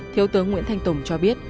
thiếu tướng nguyễn thanh tùng cho biết